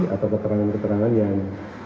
atau keterangan keterangan yang